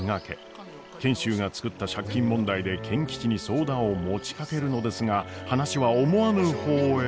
賢秀が作った借金問題で賢吉に相談を持ちかけるのですが話は思わぬ方へ。